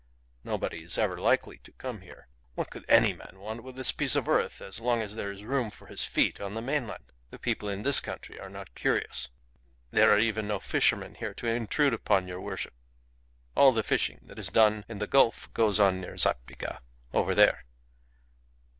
"Nobody is ever likely to come here. What could any man want with this piece of earth as long as there is room for his feet on the mainland! The people in this country are not curious. There are even no fishermen here to intrude upon your worship. All the fishing that is done in the gulf goes on near Zapiga, over there.